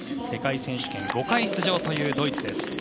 世界選手権５回出場というドイツです。